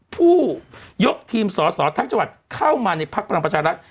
ผู้ยกทีมสอสอทั้งจังหวัดเข้ามาในพักพลังประชารัฐ